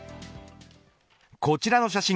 こちらの写真